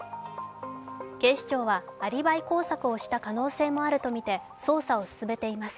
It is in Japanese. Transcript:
警視庁はアリバイ工作をした可能性もあるとみて捜査を進めています。